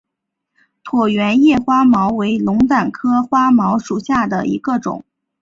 椭圆叶花锚为龙胆科花锚属下的一个种。